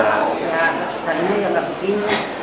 ya tadinya yang lebih